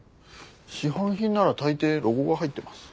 市販品なら大抵ロゴが入ってます。